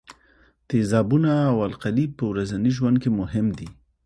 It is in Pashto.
تیزابونه او القلي په ورځني ژوند کې مهم دي.